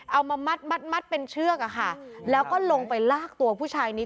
เอามามัดมัดเป็นเชือกอะค่ะแล้วก็ลงไปลากตัวผู้ชายนี้